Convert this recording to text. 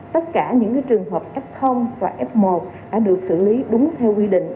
tất cả những trường hợp f và f một đã được xử lý đúng theo quy định